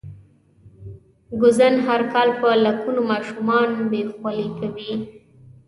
ګوزڼ هر کال په لکونو ماشومان بې خولې کوي.